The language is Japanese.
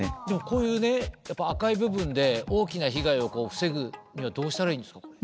でもこういうねやっぱ赤い部分で大きな被害を防ぐにはどうしたらいいんですか？